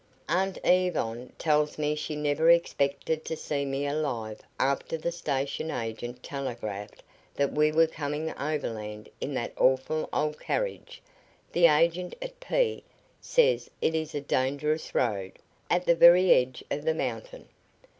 "Aunt Yvonne tells me she never expected to see me alive after the station agent telegraphed that we were coming overland in that awful old carriage. The agent at P says it is a dangerous road, at the very edge of the mountain.